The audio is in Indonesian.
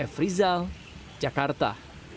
f rizal jakarta